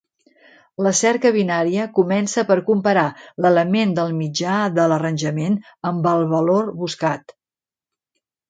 La cerca binària comença per comparar l'element del mitjà de l'arranjament amb el valor buscat.